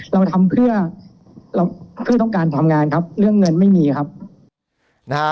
เราทำเพื่อต้องการทำงานครับเรื่องเงินไม่มีครับ